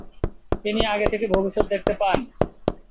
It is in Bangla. তিনি আগে থেকে ভবিষ্যত দেখতে পান।